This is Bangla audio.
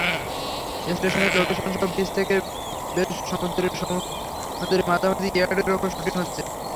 স্টেশনের লোকেশনসহ বিচ থেকে বেশ দূরে সমুদ্রের মাঝামাঝি ইয়ার্ডের ওপর শুটিং হচ্ছে।